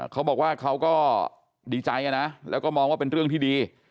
เขาก็ดีใจนะแล้วก็มองว่าเป็นเรื่องที่ดี